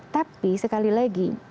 tapi sekali lagi